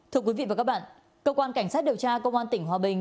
thưa quý vị và các bạn cơ quan cảnh sát điều tra công an tỉnh hòa bình